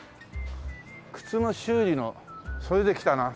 靴の修理のそれで来たな。